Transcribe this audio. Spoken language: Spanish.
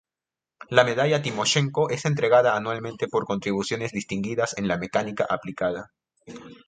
La Medalla Timoshenko es entregada anualmente por contribuciones distinguidas en la mecánica aplicada.